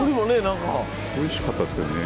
おいしかったですけどね。